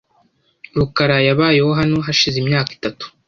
rukara yabayeho hano hashize imyaka itatu .